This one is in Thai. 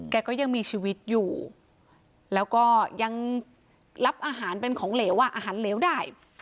แกก็ยังมีชีวิตอยู่แล้วก็ยังรับอาหารเป็นของเหลวอ่ะอาหารเหลวได้